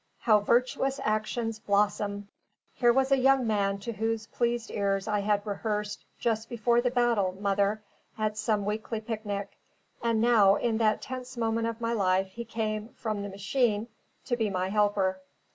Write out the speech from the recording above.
How virtuous actions blossom! Here was a young man to whose pleased ears I had rehearsed Just before the battle, mother, at some weekly picnic; and now, in that tense moment of my life, he came (from the machine) to be my helper.